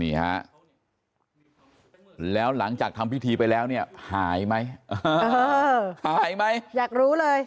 นี่ฮะแล้วหลังจากทำพิธีไปแล้วเนี่ยหายไหมหายไหมอยากรู้เลย